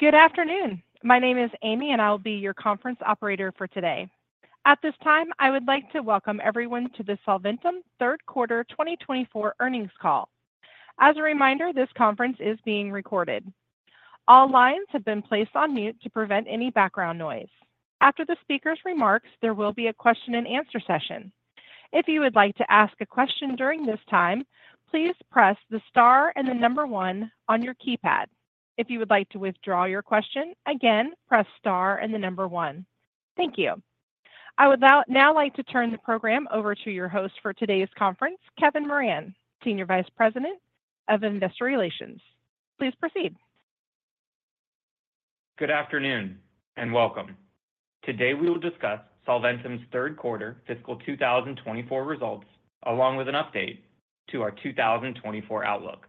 Good afternoon. My name is Amy, and I'll be your conference operator for today. At this time, I would like to welcome everyone to the Solventum Q3 2024 earnings call. As a reminder, this conference is being recorded. All lines have been placed on mute to prevent any background noise. After the speaker's remarks, there will be a question-and-answer session. If you would like to ask a question during this time, please press the star and the number one on your keypad. If you would like to withdraw your question again, press star and the number one. Thank you. I would now like to turn the program over to your host for today's conference, Kevin Moran Senior Vice President of Investor Relations. Please proceed. Good afternoon and welcome. Today we will discuss Solventum's Q3 fiscal 2024 results, along with an update to our 2024 outlook.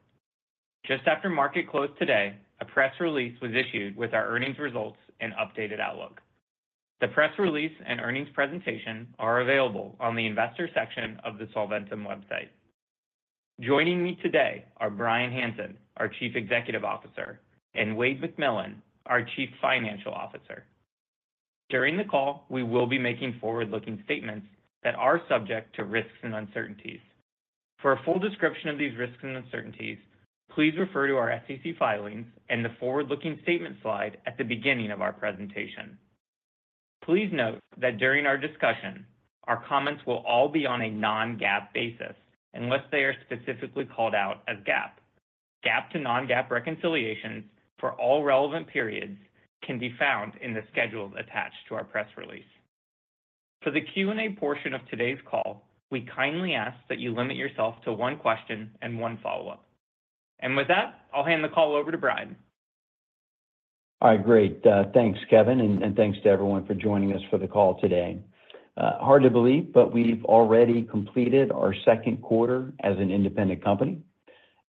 Just after market close today, a press release was issued with our earnings results and updated outlook. The press release and earnings presentation are available on the Investor section of the Solventum website. Joining me today are Bryan Hanson, our Chief Executive Officer, and Wayde McMillan, our Chief Financial Officer. During the call, we will be making forward-looking statements that are subject to risks and uncertainties. For a full description of these risks and uncertainties, please refer to our SEC filings and the forward-looking statement slide at the beginning of our presentation. Please note that during our discussion, our comments will all be on a non-GAAP basis unless they are specifically called out as GAAP. GAAP to non-GAAP reconciliations for all relevant periods can be found in the schedules attached to our press release. For the Q&A portion of today's call, we kindly ask that you limit yourself to one question and one follow-up, and with that, I'll hand the call over to Bryan. All right. Great. Thanks, Kevin, and thanks to everyone for joining us for the call today. Hard to believe, but we've already completed our second quarter as an independent company.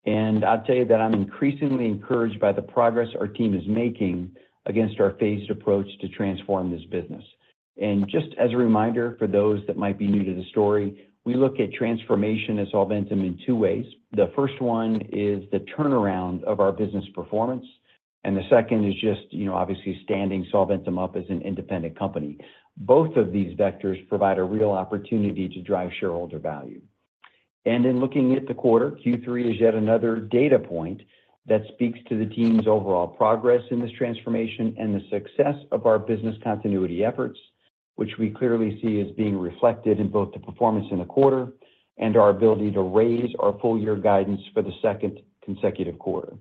And I'd say that I'm increasingly encouraged by the progress our team is making against our phased approach to transform this business. And just as a reminder for those that might be new to the story, we look at transformation at Solventum in two ways. The first one is the turnaround of our business performance, and the second is just, obviously, standing Solventum up as an independent company. Both of these vectors provide a real opportunity to drive shareholder value. In looking at the quarter, Q3 is yet another data point that speaks to the team's overall progress in this transformation and the success of our business continuity efforts, which we clearly see as being reflected in both the performance in the quarter and our ability to raise our full-year guidance for the second consecutive quarter.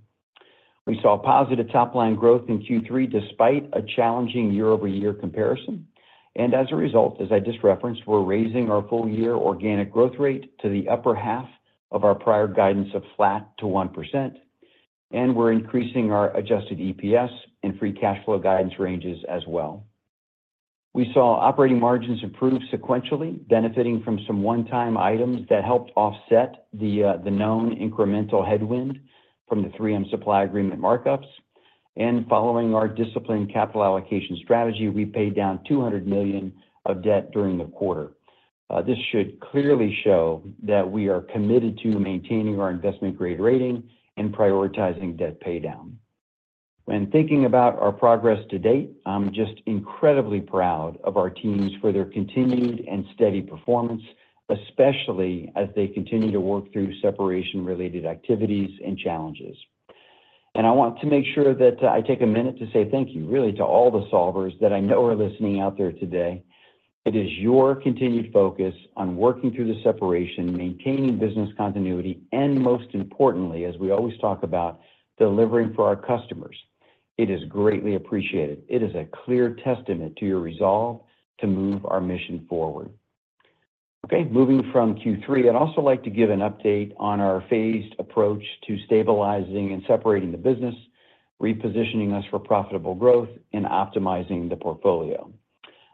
We saw positive top-line growth in Q3 despite a challenging year-over-year comparison. As a result, as I just referenced, we're raising our full-year organic growth rate to the upper half of our prior guidance of flat to 1%, and we're increasing our adjusted EPS and free cash flow guidance ranges as well. We saw operating margins improve sequentially, benefiting from some one-time items that helped offset the known incremental headwind from the 3M supply agreement markups. Following our disciplined capital allocation strategy, we paid down $200 million of debt during the quarter. This should clearly show that we are committed to maintaining our Investment-grade rating and prioritizing debt paydown. When thinking about our progress to date, I'm just incredibly proud of our teams for their continued and steady performance, especially as they continue to work through separation-related activities and challenges. I want to make sure that I take a minute to say thank you, really, to all the solvers that I know are listening out there today. It is your continued focus on working through the separation, maintaining business continuity, and most importantly, as we always talk about, delivering for our customers. It is greatly appreciated. It is a clear testament to your resolve to move our mission forward. Okay. Moving from Q3, I'd also like to give an update on our phased approach to stabilizing and separating the business, repositioning us for profitable growth, and optimizing the portfolio.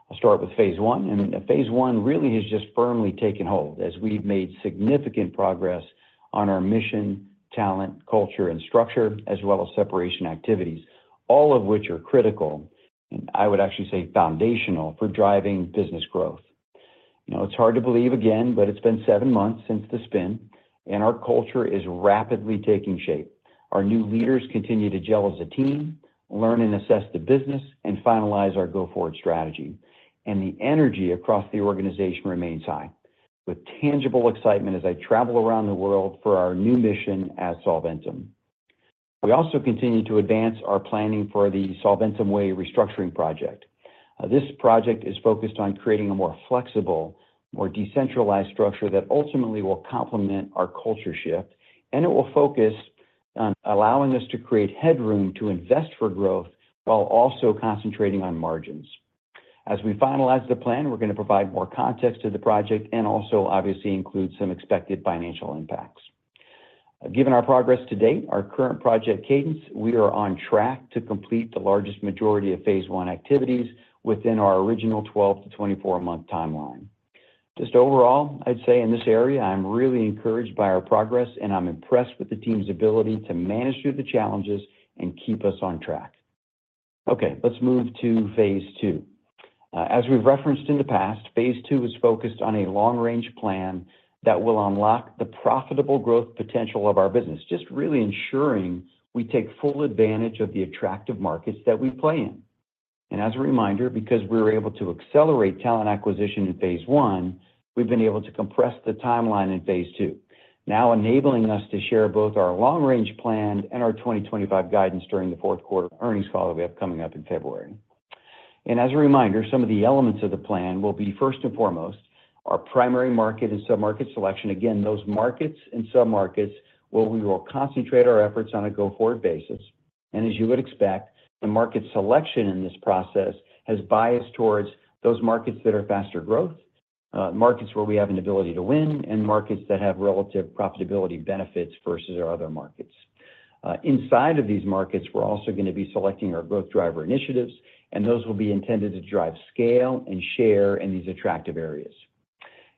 I'll start with phase one, and phase one really has just firmly taken hold as we've made significant progress on our mission, talent, culture, and structure, as well as separation activities, all of which are critical, and I would actually say foundational, for driving business growth. It's hard to believe, again, but it's been seven months since the spin, and our culture is rapidly taking shape. Our new leaders continue to gel as a team, learn and assess the business, and finalize our go-forward strategy, and the energy across the organization remains high, with tangible excitement as I travel around the world for our new mission at Solventum. We also continue to advance our planning for the Solventum Way restructuring project. This project is focused on creating a more flexible, more decentralized structure that ultimately will complement our culture shift, and it will focus on allowing us to create headroom to invest for growth while also concentrating on margins. As we finalize the plan, we're going to provide more context to the project and also, obviously, include some expected financial impacts. Given our progress to date, our current project cadence, we are on track to complete the largest majority of phase one activities within our original 12-24-month timeline. Just overall, I'd say in this area, I'm really encouraged by our progress, and I'm impressed with the team's ability to manage through the challenges and keep us on track. Okay. Let's move to phase II. As we've referenced in the past, phase II is focused on a long-range plan that will unlock the profitable growth potential of our business, just really ensuring we take full advantage of the attractive markets that we play in. And as a reminder, because we were able to accelerate talent acquisition in phase one, we've been able to compress the timeline in phase II, now enabling us to share both our long-range plan and our 2025 guidance during the Q4 earnings call that we have coming up in February. And as a reminder, some of the elements of the plan will be, first and foremost, our primary market and sub-market selection. Again, those markets and sub-markets where we will concentrate our efforts on a go-forward basis. And as you would expect, the market selection in this process has biased towards those markets that are faster growth, markets where we have an ability to win, and markets that have relative profitability benefits versus our other markets. Inside of these markets, we're also going to be selecting our growth driver initiatives, and those will be intended to drive scale and share in these attractive areas.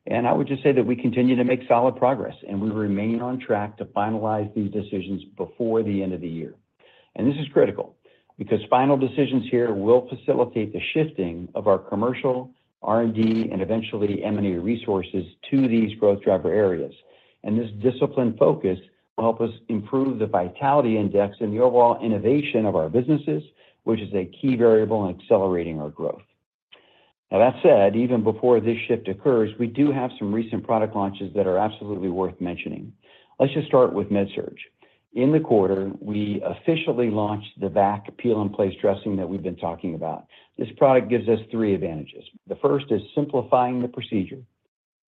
And I would just say that we continue to make solid progress, and we remain on track to finalize these decisions before the end of the year. And this is critical because final decisions here will facilitate the shifting of our commercial, R&D, and eventually M&A resources to these growth driver areas. And this disciplined focus will help us improve the vitality index and the overall innovation of our businesses, which is a key variable in accelerating our growth. Now, that said, even before this shift occurs, we do have some recent product launches that are absolutely worth mentioning. Let's just start with MedSurg. In the quarter, we officially launched the V.A.C. Peel and Place dressing that we've been talking about. This product gives us three advantages. The first is simplifying the procedure.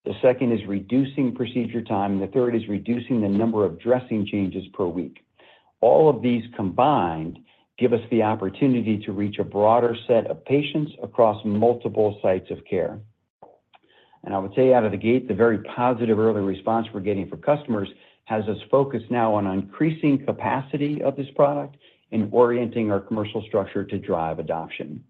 The second is reducing procedure time. The third is reducing the number of dressing changes per week. All of these combined give us the opportunity to reach a broader set of patients across multiple sites of care. And I would say out of the gate, the very positive early response we're getting from customers has us focused now on increasing capacity of this product and orienting our commercial structure to drive adoption.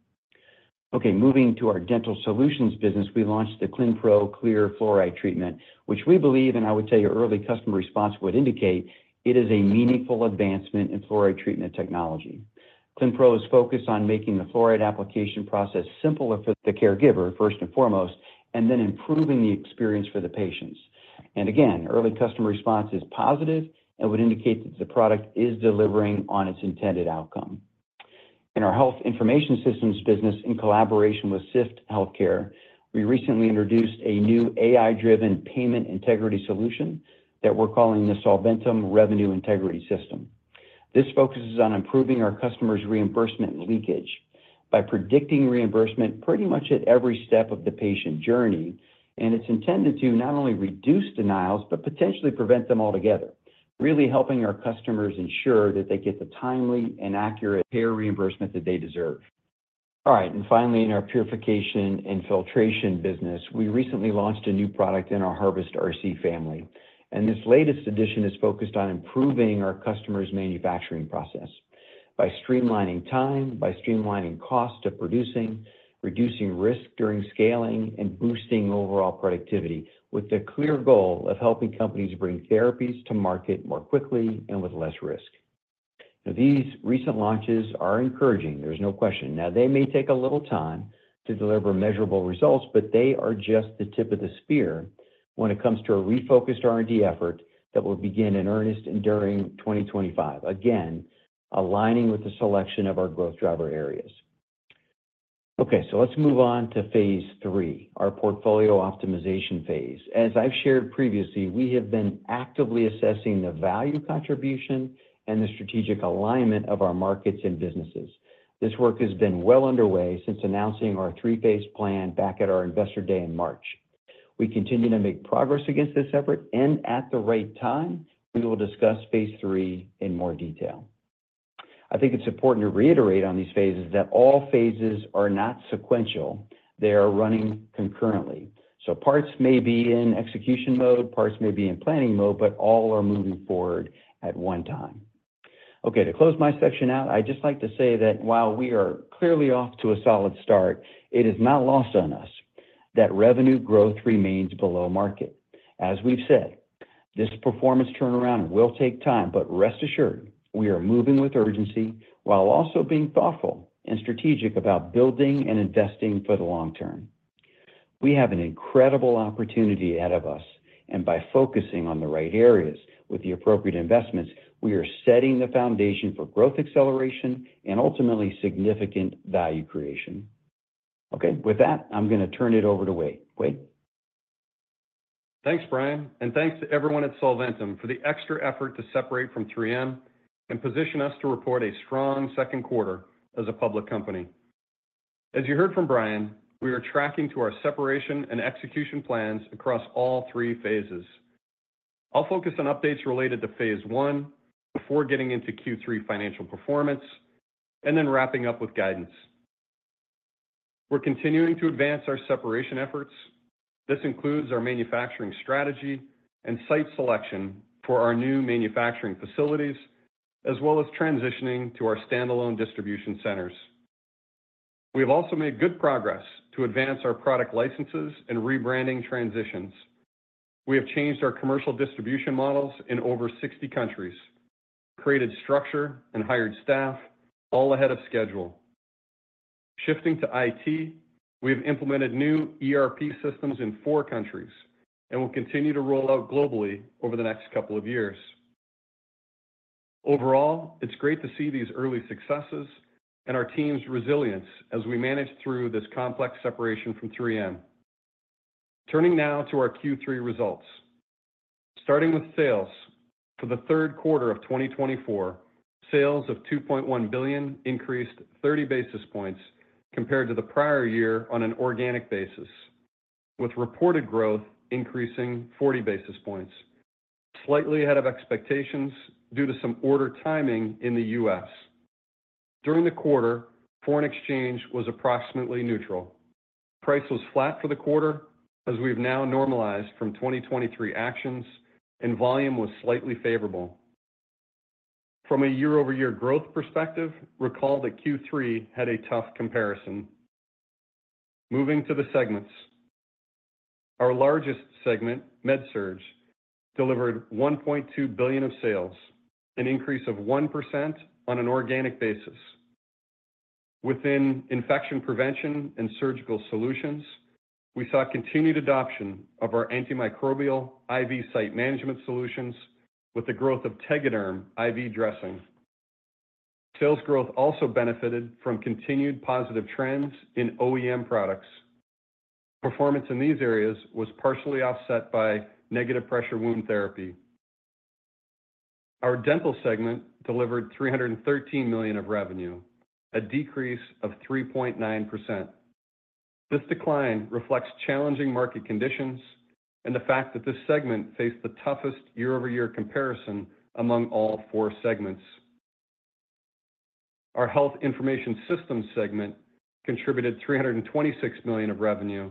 Okay. Moving to our Dental Solutions business, we launched the Clinpro Clear Fluoride Treatment, which we believe, and I would say our early customer response would indicate, it is a meaningful advancement in fluoride treatment technology. Clinpro is focused on making the fluoride application process simpler for the caregiver, first and foremost, and then improving the experience for the patients, and again, early customer response is positive and would indicate that the product is delivering on its intended outcome. In our Health Information Systems business, in collaboration with Sift Healthcare, we recently introduced a new AI-driven payment integrity solution that we're calling the Solventum Revenue Integrity System. This focuses on improving our customers' reimbursement leakage by predicting reimbursement pretty much at every step of the patient journey. And it's intended to not only reduce denials but potentially prevent them altogether, really helping our customers ensure that they get the timely and accurate payer reimbursement that they deserve. All right. And finally, in our purification and filtration business, we recently launched a new product in our Harvest RC family. And this latest addition is focused on improving our customers' manufacturing process by streamlining time, by streamlining cost of producing, reducing risk during scaling, and boosting overall productivity with the clear goal of helping companies bring therapies to market more quickly and with less risk. Now, these recent launches are encouraging. There's no question. Now, they may take a little time to deliver measurable results, but they are just the tip of the spear when it comes to a refocused R&D effort that will begin in earnest during 2025, again, aligning with the selection of our growth driver areas. Okay. So let's move on to phase III, our portfolio optimization phase. As I've shared previously, we have been actively assessing the value contribution and the strategic alignment of our markets and businesses. This work has been well underway since announcing our three-phase plan back at our investor day in March. We continue to make progress against this effort, and at the right time, we will discuss phase III in more detail. I think it's important to reiterate on these phases that all phases are not sequential. They are running concurrently. So parts may be in execution mode, parts may be in planning mode, but all are moving forward at one time. Okay. To close my section out, I'd just like to say that while we are clearly off to a solid start, it is not lost on us that revenue growth remains below market. As we've said, this performance turnaround will take time, but rest assured, we are moving with urgency while also being thoughtful and strategic about building and investing for the long term. We have an incredible opportunity ahead of us. And by focusing on the right areas with the appropriate investments, we are setting the foundation for growth acceleration and ultimately significant value creation. Okay. With that, I'm going to turn it over to Wayde. Wayde. Thanks, Bryan, and thanks to everyone at Solventum for the extra effort to separate from 3M and position us to report a strong second quarter as a public company. As you heard from Bryan, we are tracking to our separation and execution plans across all three phases. I'll focus on updates related to phase one before getting into Q3 financial performance and then wrapping up with guidance. We're continuing to advance our separation efforts. This includes our manufacturing strategy and site selection for our new manufacturing facilities, as well as transitioning to our standalone distribution centers. We have also made good progress to advance our product licenses and rebranding transitions. We have changed our commercial distribution models in over 60 countries, created structure, and hired staff, all ahead of schedule. Shifting to IT, we have implemented new ERP systems in four countries and will continue to roll out globally over the next couple of years. Overall, it's great to see these early successes and our team's resilience as we manage through this complex separation from 3M. Turning now to our Q3 results. Starting with sales, for the third quarter of 2024, sales of $2.1 billion increased 30 basis points compared to the prior year on an organic basis, with reported growth increasing 40 basis points, slightly ahead of expectations due to some order timing in the U.S. During the quarter, foreign exchange was approximately neutral. Price was flat for the quarter as we've now normalized from 2023 actions, and volume was slightly favorable. From a year-over-year growth perspective, recall that Q3 had a tough comparison. Moving to the segments. Our largest segment, MedSurg, delivered $1.2 billion of sales, an increase of 1% on an organic basis. Within infection prevention and surgical solutions, we saw continued adoption of our antimicrobial IV site management solutions with the growth of Tegaderm IV dressing. Sales growth also benefited from continued positive trends in OEM products. Performance in these areas was partially offset by negative pressure wound therapy. Our dental segment delivered $313 million of revenue, a decrease of 3.9%. This decline reflects challenging market conditions and the fact that this segment faced the toughest year-over-year comparison among all four segments. Our health information systems segment contributed $326 million of revenue,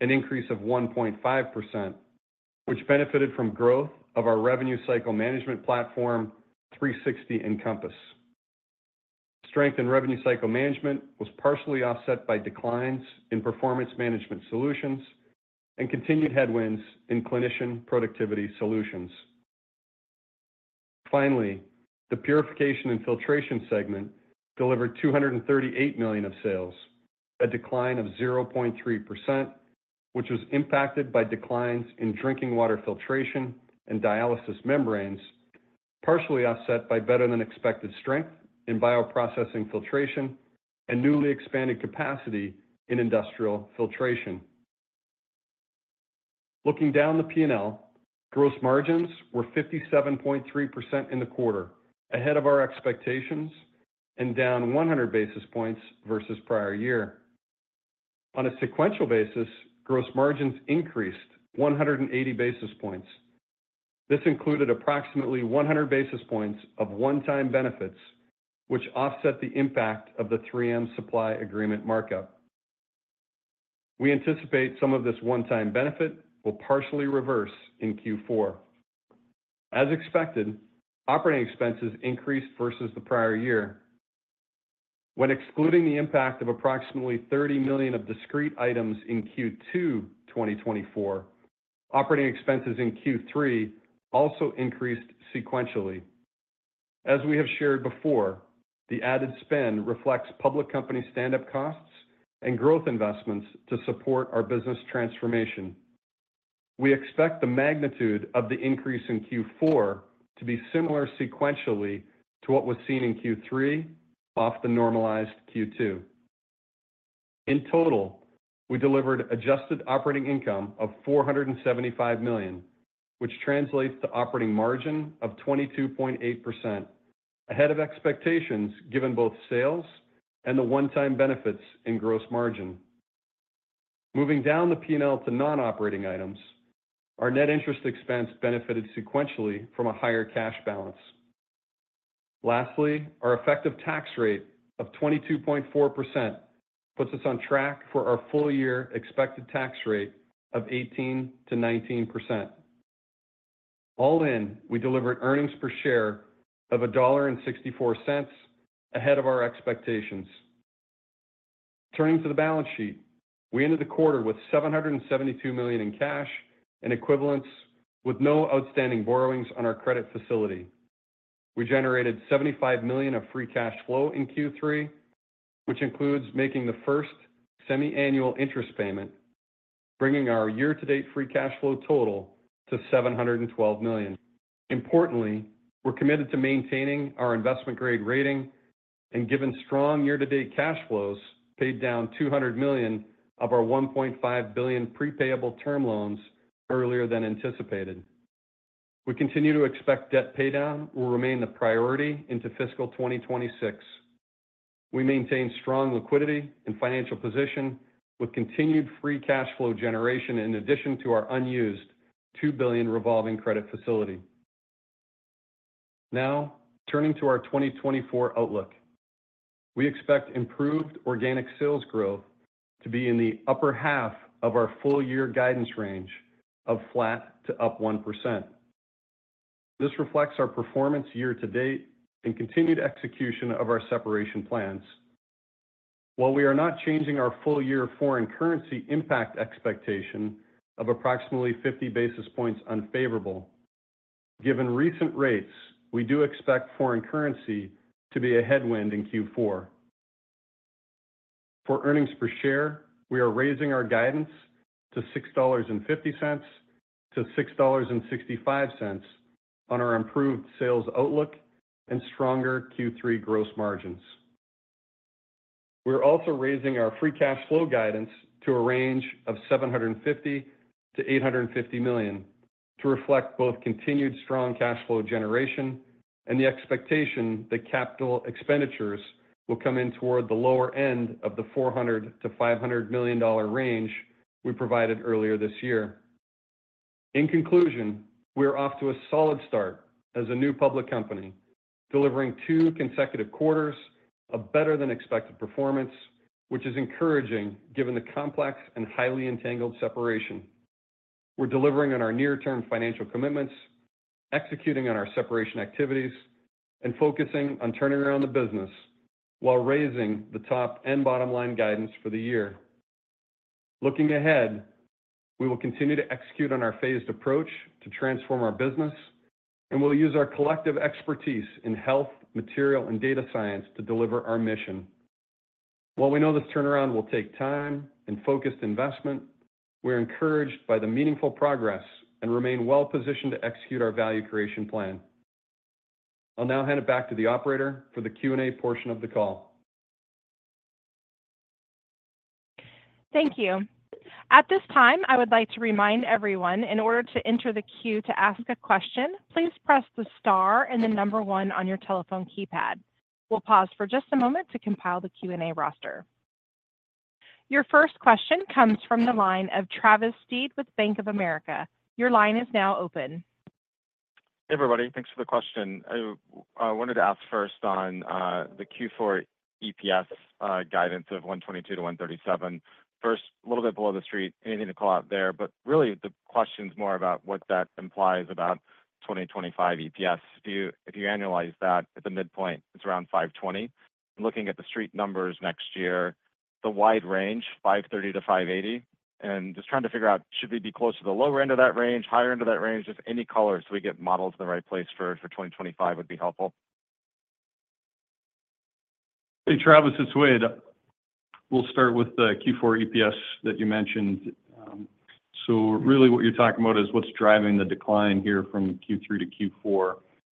an increase of 1.5%, which benefited from growth of our Revenue Cycle Management platform, 360 Encompass. Strength in Revenue Cycle Management was partially offset by declines in Performance Management solutions and continued headwinds in Clinician Productivity Solutions. Finally, the purification and filtration segment delivered $238 million of sales, a decline of 0.3%, which was impacted by declines in drinking water filtration and dialysis membranes, partially offset by better-than-expected strength in bioprocessing filtration and newly expanded capacity in industrial filtration. Looking down the P&L, gross margins were 57.3% in the quarter, ahead of our expectations and down 100 basis points versus prior year. On a sequential basis, gross margins increased 180 basis points. This included approximately 100 basis points of one-time benefits, which offset the impact of the 3M supply agreement markup. We anticipate some of this one-time benefit will partially reverse in Q4. As expected, operating expenses increased versus the prior year. When excluding the impact of approximately $30 million of discrete items in Q2 2024, operating expenses in Q3 also increased sequentially. As we have shared before, the added spend reflects public company stand-up costs and growth investments to support our business transformation. We expect the magnitude of the increase in Q4 to be similar sequentially to what was seen in Q3 off the normalized Q2. In total, we delivered adjusted operating income of $475 million, which translates to operating margin of 22.8%, ahead of expectations given both sales and the one-time benefits in gross margin. Moving down the P&L to non-operating items, our net interest expense benefited sequentially from a higher cash balance. Lastly, our effective tax rate of 22.4% puts us on track for our full-year expected tax rate of 18%-19%. All in, we delivered earnings per share of $1.64 ahead of our expectations. Turning to the balance sheet, we ended the quarter with $772 million in cash and equivalents with no outstanding borrowings on our credit facility. We generated $75 million of free cash flow in Q3, which includes making the first semi-annual interest payment, bringing our year-to-date free cash flow total to $712 million. Importantly, we're committed to maintaining our investment-grade rating, and, given strong year-to-date cash flows, paid down $200 million of our $1.5 billion prepayable term loans earlier than anticipated. We continue to expect debt paydown will remain the priority into fiscal 2026. We maintain strong liquidity and financial position with continued free cash flow generation in addition to our unused $2 billion revolving credit facility. Now, turning to our 2024 outlook, we expect improved organic sales growth to be in the upper half of our full-year guidance range of flat to up 1%. This reflects our performance year-to-date and continued execution of our separation plans. While we are not changing our full-year foreign currency impact expectation of approximately 50 basis points unfavorable, given recent rates, we do expect foreign currency to be a headwind in Q4. For earnings per share, we are raising our guidance to $6.50 to $6.65 on our improved sales outlook and stronger Q3 gross margins. We're also raising our free cash flow guidance to a range of $750 to $850 million to reflect both continued strong cash flow generation and the expectation that capital expenditures will come in toward the lower end of the $400 to $500 million range we provided earlier this year. In conclusion, we're off to a solid start as a new public company, delivering two consecutive quarters of better-than-expected performance, which is encouraging given the complex and highly entangled separation. We're delivering on our near-term financial commitments, executing on our separation activities, and focusing on turning around the business while raising the top and bottom line guidance for the year. Looking ahead, we will continue to execute on our phased approach to transform our business, and we'll use our collective expertise in health, material, and data science to deliver our mission. While we know this turnaround will take time and focused investment, we're encouraged by the meaningful progress and remain well-positioned to execute our value creation plan. I'll now hand it back to the operator for the Q&A portion of the call. Thank you. At this time, I would like to remind everyone, in order to enter the queue to ask a question, please press the star and the number one on your telephone keypad. We'll pause for just a moment to compile the Q&A roster. Your first question comes from the line of Travis Steed with Bank of America. Your line is now open. Hey, everybody. Thanks for the question. I wanted to ask first on the Q4 EPS guidance of $1.22-$1.37. First, a little bit below the street, anything to call out there, but really, the question's more about what that implies about 2025 EPS. If you annualize that, at the midpoint, it's around $5.20. Looking at the street numbers next year, the wide range, $5.30-$5.80, and just trying to figure out, should we be close to the lower end of that range, higher end of that range? Just any colors we get modeled to the right place for 2025 would be helpful. Hey, Travis. It's Wayde. We'll start with the Q4 EPS that you mentioned. So really, what you're talking about is what's driving the decline here from Q3 to Q4.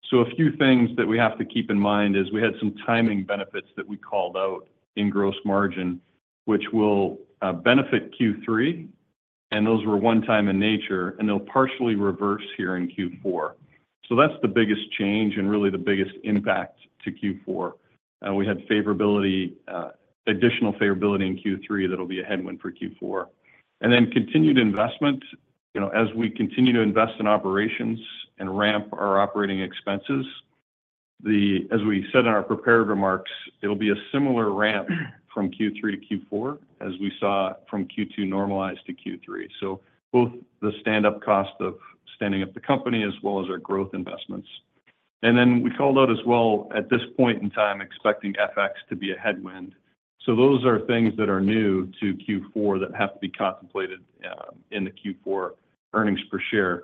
So a few things that we have to keep in mind is we had some timing benefits that we called out in gross margin, which will benefit Q3, and those were one-time in nature, and they'll partially reverse here in Q4. So that's the biggest change and really the biggest impact to Q4. We had additional favorability in Q3 that'll be a headwind for Q4. And then continued investment, as we continue to invest in operations and ramp our operating expenses, as we said in our prepared remarks, it'll be a similar ramp from Q3 to Q4 as we saw from Q2 normalized to Q3. So both the stand-up cost of standing up the company as well as our growth investments. And then we called out as well, at this point in time, expecting FX to be a headwind. So those are things that are new to Q4 that have to be contemplated in the Q4 earnings per share.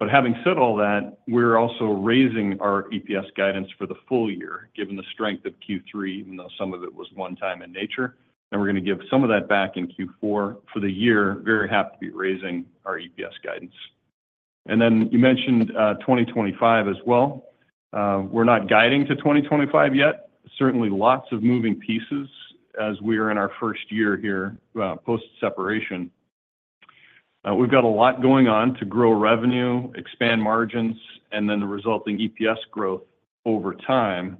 But having said all that, we're also raising our EPS guidance for the full year, given the strength of Q3, even though some of it was one-time in nature. And we're going to give some of that back in Q4 for the year. Very happy to be raising our EPS guidance. And then you mentioned 2025 as well. We're not guiding to 2025 yet. Certainly, lots of moving pieces as we are in our first year here post-separation. We've got a lot going on to grow revenue, expand margins, and then the resulting EPS growth over time.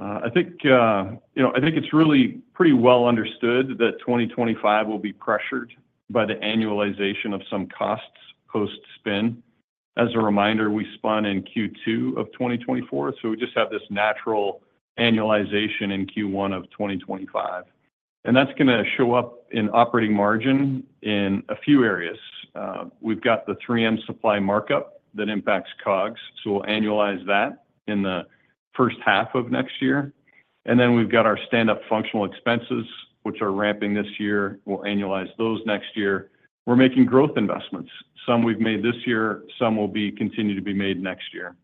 I think it's really pretty well understood that 2025 will be pressured by the annualization of some costs post-spin. As a reminder, we spun in Q2 of 2024, so we just have this natural annualization in Q1 of 2025. And that's going to show up in operating margin in a few areas. We've got the 3M supply markup that impacts COGS. So we'll annualize that in the first half of next year. And then we've got our stand-up functional expenses, which are ramping this year. We'll annualize those next year. We're making growth investments. Some we've made this year. Some will continue to be made next year.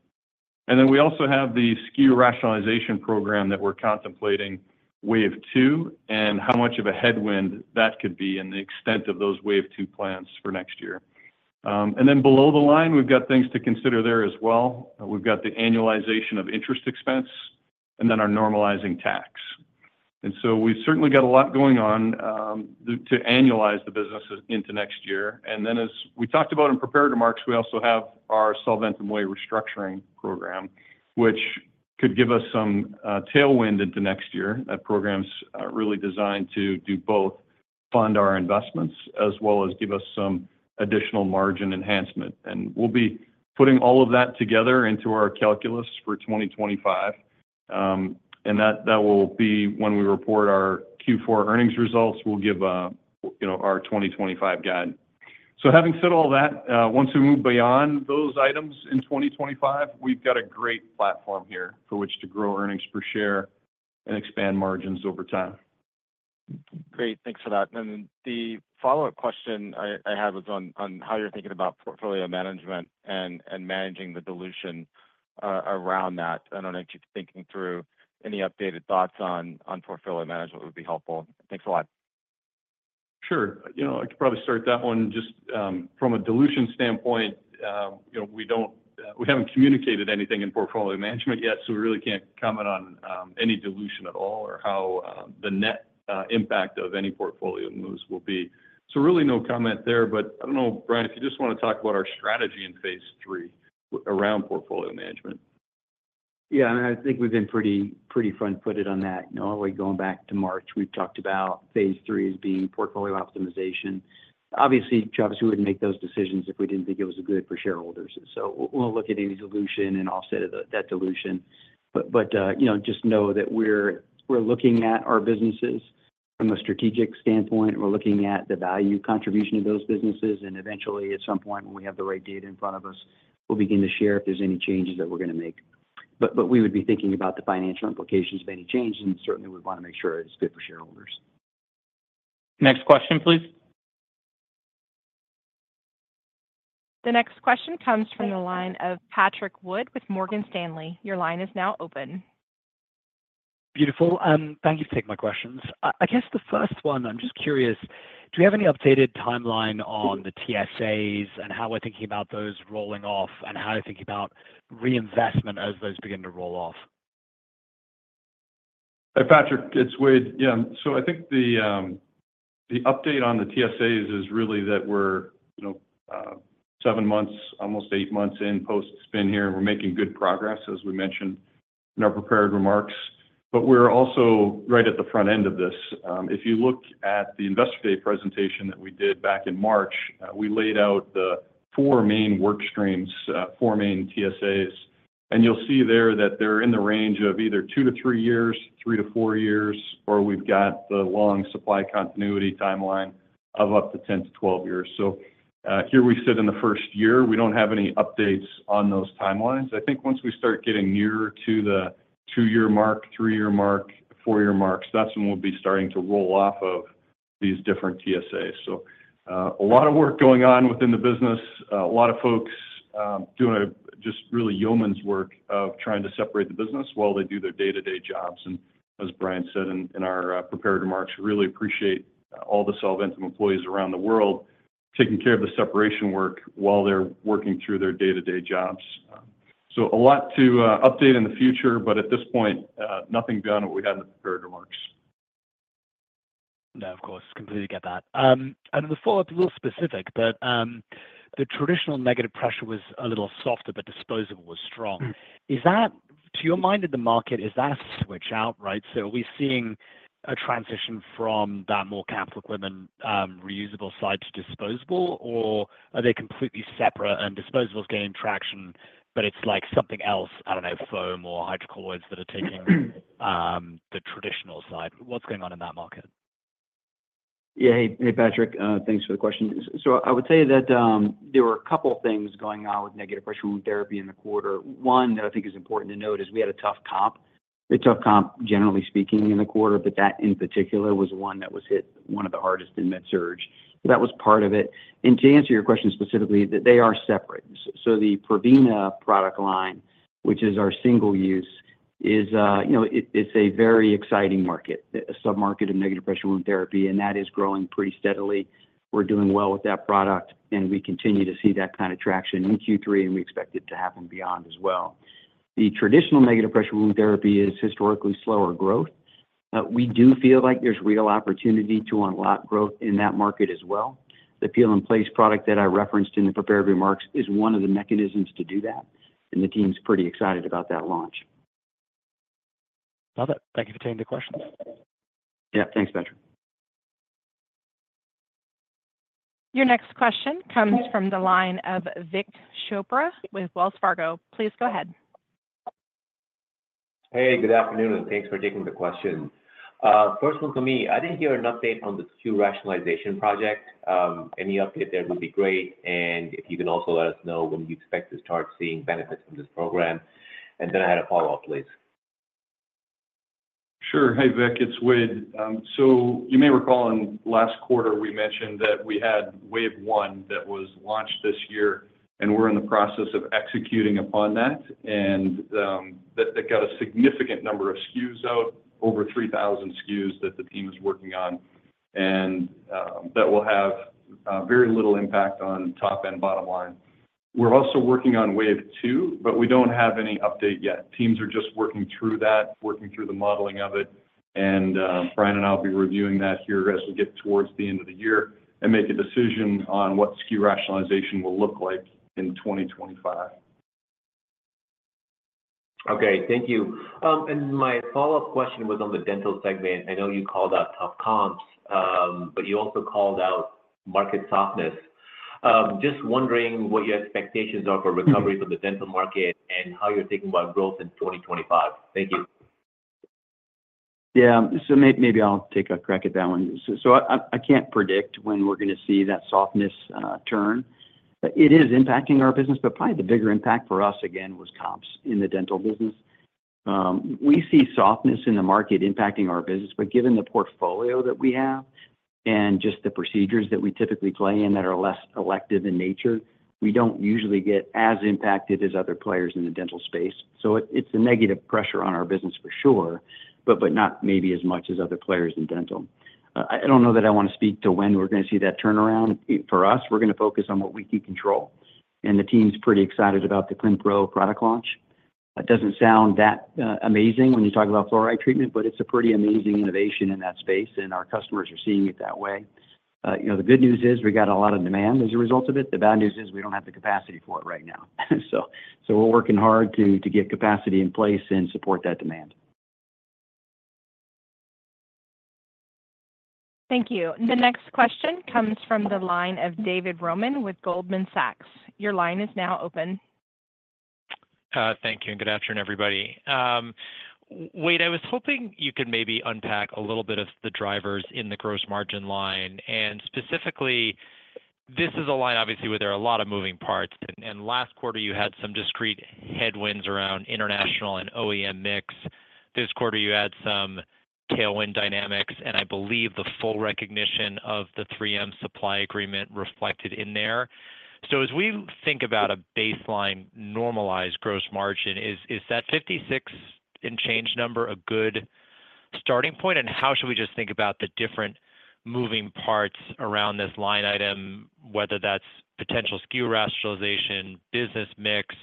And then we also have the SKU rationalization program that we're contemplating, wave two, and how much of a headwind that could be and the extent of those wave two plans for next year. And then below the line, we've got things to consider there as well. We've got the annualization of interest expense and then our normalizing tax. And so we've certainly got a lot going on to annualize the business into next year. And then, as we talked about in prepared remarks, we also have our Solventum Way restructuring program, which could give us some tailwind into next year. That program's really designed to do both fund our investments as well as give us some additional margin enhancement. And we'll be putting all of that together into our calculus for 2025. And that will be when we report our Q4 earnings results, we'll give our 2025 guide. So having said all that, once we move beyond those items in 2025, we've got a great platform here for which to grow earnings per share and expand margins over time. Great. Thanks for that. And the follow-up question I have is on how you're thinking about portfolio management and managing the dilution around that. I don't know if you're thinking through any updated thoughts on portfolio management would be helpful. Thanks a lot. Sure. I could probably start that one. Just from a dilution standpoint, we haven't communicated anything in portfolio management yet, so we really can't comment on any dilution at all or how the net impact of any portfolio moves will be. So really, no comment there. But I don't know, Bryan, if you just want to talk about our strategy in phase III around portfolio management. Yeah. I mean, I think we've been pretty front-footed on that. Already going back to March, we've talked about phase III as being portfolio optimization. Obviously, Travis, we wouldn't make those decisions if we didn't think it was good for shareholders. So we'll look at any dilution and offset of that dilution. But just know that we're looking at our businesses from a strategic standpoint. We're looking at the value contribution of those businesses. And eventually, at some point, when we have the right data in front of us, we'll begin to share if there's any changes that we're going to make. But we would be thinking about the financial implications of any change, and certainly, we'd want to make sure it's good for shareholders. Next question, please. The next question comes from the line of Patrick Wood with Morgan Stanley. Your line is now open. Beautiful. Thank you for taking my questions. I guess the first one, I'm just curious, do we have any updated timeline on the TSAs and how we're thinking about those rolling off and how to think about reinvestment as those begin to roll off? Hi, Patrick. It's Wayde. Yeah. So I think the update on the TSAs is really that we're seven months, almost eight months in post-spin here, and we're making good progress, as we mentioned in our prepared remarks. But we're also right at the front end of this. If you look at the investor day presentation that we did back in March, we laid out the four main work streams, four main TSAs. And you'll see there that they're in the range of either two-to-three years, three-to-four years, or we've got the long supply continuity timeline of up to 10-to-12 years. So here we sit in the first year. We don't have any updates on those timelines. I think once we start getting nearer to the two-year mark, three-year mark, four-year marks, that's when we'll be starting to roll off of these different TSAs. So a lot of work going on within the business, a lot of folks doing just really yeoman's work of trying to separate the business while they do their day-to-day jobs. And as Bryan said in our prepared remarks, really appreciate all the Solventum employees around the world taking care of the separation work while they're working through their day-to-day jobs. So a lot to update in the future, but at this point, nothing beyond what we had in the prepared remarks. Yeah, of course. Completely get that, and the follow-up is a little specific, but the traditional negative pressure was a little softer, but disposable was strong. To your mind, in the market, is that a switch out, right, so are we seeing a transition from that more capital equipment, reusable side to disposable, or are they completely separate and disposable's gaining traction, but it's like something else, I don't know, foam or hydrocolloids that are taking the traditional side? What's going on in that market? Yeah. Hey, Patrick. Thanks for the question. So I would say that there were a couple of things going on with negative pressure wound therapy in the quarter. One that I think is important to note is we had a tough comp. A tough comp, generally speaking, in the quarter, but that in particular was one that was hit one of the hardest in MedSurg. So that was part of it. And to answer your question specifically, they are separate. So the Prevena product line, which is our single use, it's a very exciting market, a submarket of negative pressure wound therapy, and that is growing pretty steadily. We're doing well with that product, and we continue to see that kind of traction in Q3, and we expect it to happen beyond as well. The traditional negative pressure wound therapy is historically slower growth. We do feel like there's real opportunity to unlock growth in that market as well. The Peel and Place product that I referenced in the prepared remarks is one of the mechanisms to do that, and the team's pretty excited about that launch. Love it. Thank you for taking the questions. Yeah. Thanks, Patrick. Your next question comes from the line of Vik Chopra with Wells Fargo. Please go ahead. Hey, good afternoon, and thanks for taking the question. First one for me. I didn't hear an update on the SKU rationalization project. Any update there would be great. And if you can also let us know when you expect to start seeing benefits from this program. And then I had a follow-up, please. Sure. Hey, Vik. It's Wayde. So you may recall in last quarter, we mentioned that we had wave one that was launched this year, and we're in the process of executing upon that. And that got a significant number of SKUs out, over 3,000 SKUs that the team is working on, and that will have very little impact on top and bottom line. We're also working on wave two, but we don't have any update yet. Teams are just working through that, working through the modeling of it. And Bryan and I will be reviewing that here as we get towards the end of the year and make a decision on what SKU rationalization will look like in 2025. Okay. Thank you. And my follow-up question was on the dental segment. I know you called out tough comps, but you also called out market softness. Just wondering what your expectations are for recovery for the dental market and how you're thinking about growth in 2025. Thank you. Yeah. So maybe I'll take a crack at that one. So I can't predict when we're going to see that softness turn. It is impacting our business, but probably the bigger impact for us, again, was comps in the dental business. We see softness in the market impacting our business, but given the portfolio that we have and just the procedures that we typically play in that are less elective in nature, we don't usually get as impacted as other players in the dental space. So it's a negative pressure on our business for sure, but not maybe as much as other players in dental. I don't know that I want to speak to when we're going to see that turnaround. For us, we're going to focus on what we can control. And the team's pretty excited about the Clinpro product launch. It doesn't sound that amazing when you talk about fluoride treatment, but it's a pretty amazing innovation in that space, and our customers are seeing it that way. The good news is we got a lot of demand as a result of it. The bad news is we don't have the capacity for it right now. So we're working hard to get capacity in place and support that demand. Thank you. The next question comes from the line of David Roman with Goldman Sachs. Your line is now open. Thank you. And good afternoon, everybody. Wayde, I was hoping you could maybe unpack a little bit of the drivers in the gross margin line. And specifically, this is a line, obviously, where there are a lot of moving parts. And last quarter, you had some discrete headwinds around international and OEM mix. This quarter, you had some tailwind dynamics, and I believe the full recognition of the 3M supply agreement reflected in there. So as we think about a baseline normalized gross margin, is that 56 and change number a good starting point? And how should we just think about the different moving parts around this line item, whether that's potential SKU rationalization, business mix,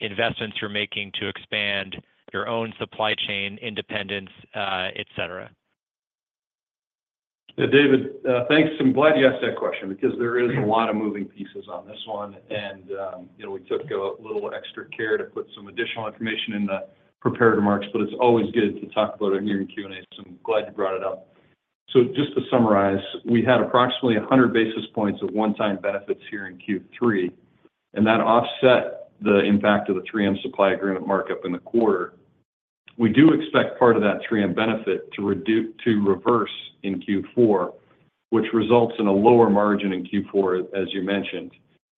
investments you're making to expand your own supply chain, independence, etc.? Yeah, David, thanks. I'm glad you asked that question because there is a lot of moving pieces on this one. And we took a little extra care to put some additional information in the prepared remarks, but it's always good to talk about it here in Q&A. So I'm glad you brought it up. So just to summarize, we had approximately 100 basis points of one-time benefits here in Q3, and that offset the impact of the 3M supply agreement markup in the quarter. We do expect part of that 3M benefit to reverse in Q4, which results in a lower margin in Q4, as you mentioned.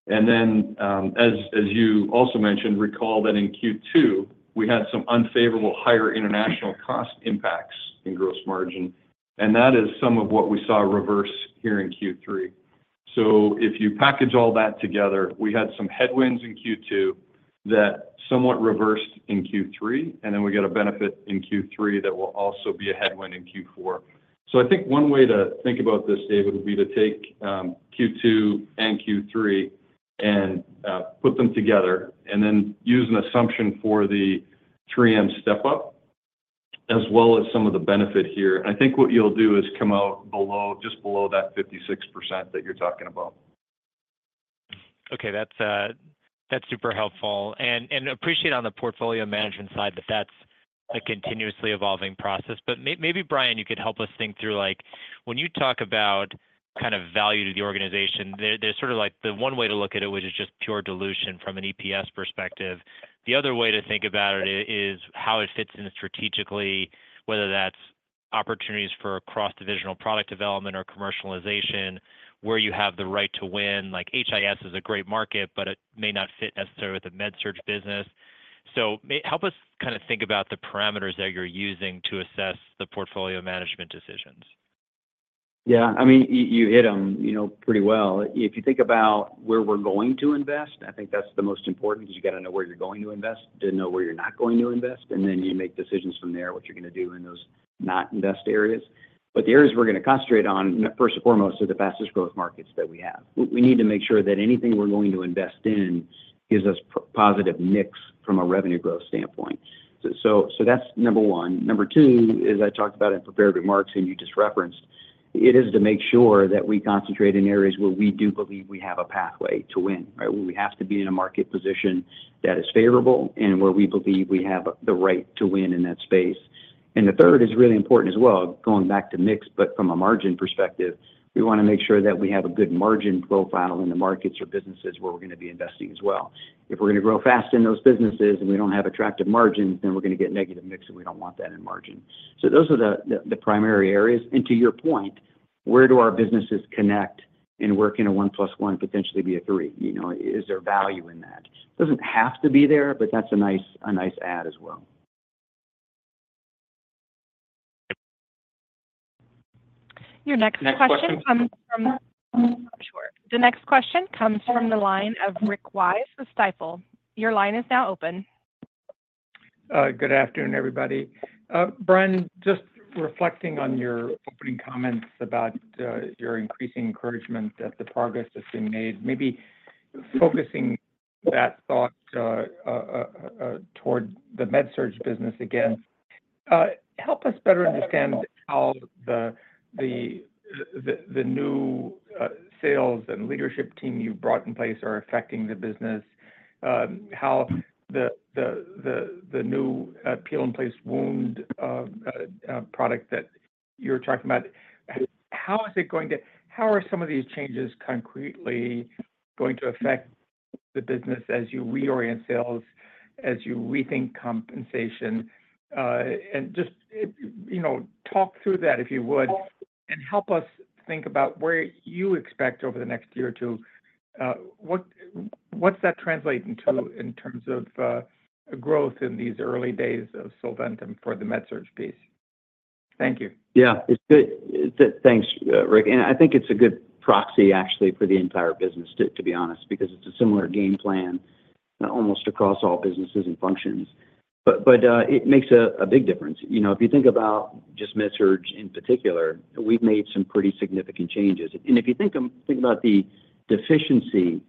And then, as you also mentioned, recall that in Q2, we had some unfavorable higher international cost impacts in gross margin, and that is some of what we saw reverse here in Q3. So if you package all that together, we had some headwinds in Q2 that somewhat reversed in Q3, and then we got a benefit in Q3 that will also be a headwind in Q4. So I think one way to think about this, David, would be to take Q2 and Q3 and put them together and then use an assumption for the 3M step-up as well as some of the benefit here. And I think what you'll do is come out just below that 56% that you're talking about. Okay. That's super helpful. And appreciate on the portfolio management side that that's a continuously evolving process. But maybe, Bryan, you could help us think through when you talk about kind of value to the organization, there's sort of the one way to look at it, which is just pure dilution from an EPS perspective. The other way to think about it is how it fits in strategically, whether that's opportunities for cross-divisional product development or commercialization, where you have the right to win. HIS is a great market, but it may not fit necessarily with a med-surg business. So help us kind of think about the parameters that you're using to assess the portfolio management decisions. Yeah. I mean, you hit them pretty well. If you think about where we're going to invest, I think that's the most important because you got to know where you're going to invest, then know where you're not going to invest, and then you make decisions from there what you're going to do in those not-invest areas. But the areas we're going to concentrate on, first and foremost, are the fastest growth markets that we have. We need to make sure that anything we're going to invest in gives us positive mix from a revenue growth standpoint. So that's number one. Number two is I talked about in prepared remarks, and you just referenced. It is to make sure that we concentrate in areas where we do believe we have a pathway to win, right? We have to be in a market position that is favorable and where we believe we have the right to win in that space. And the third is really important as well, going back to mix, but from a margin perspective, we want to make sure that we have a good margin profile in the markets or businesses where we're going to be investing as well. If we're going to grow fast in those businesses and we don't have attractive margins, then we're going to get negative mix, and we don't want that in margin. So those are the primary areas. And to your point, where do our businesses connect and work in a one-plus-one, potentially be a three? Is there value in that? Doesn't have to be there, but that's a nice add as well. Your next question comes from the line of Rick Wise with Stifel. Your line is now open. Good afternoon, everybody. Bryan, just reflecting on your opening comments about your increasing encouragement that the progress has been made, maybe focusing that thought toward the med-surg business again, help us better understand how the new sales and leadership team you've brought in place are affecting the business, how the new Peel and Place wound product that you're talking about, how are some of these changes concretely going to affect the business as you reorient sales, as you rethink compensation? And just talk through that, if you would, and help us think about where you expect over the next year or two. What's that translating to in terms of growth in these early days of Solventum for the med-surg piece? Thank you. Yeah. It's good. Thanks, Rick. And I think it's a good proxy, actually, for the entire business, to be honest, because it's a similar game plan almost across all businesses and functions. But it makes a big difference. If you think about just med-surg in particular, we've made some pretty significant changes. And if you think about the deficiency